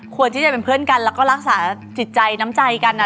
ควรที่จะเป็นเพื่อนกันแล้วก็รักษาจิตใจน้ำใจกัน